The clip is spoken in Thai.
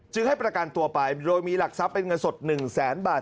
ให้ประกันตัวไปโดยมีหลักทรัพย์เป็นเงินสด๑แสนบาท